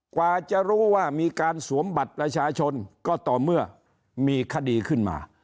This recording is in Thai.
กว่าจะรู้ว่ามีการสวมบัตรประชาชนก็ต่อเมื่อมีคดีขึ้นมา